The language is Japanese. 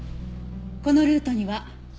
このルートには。